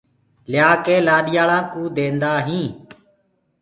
ليآ ڪي لآڏيآݪآنٚ ڪوٚ ديندآ هينٚ۔